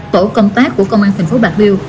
tổ công tác của công an tp bạc liêu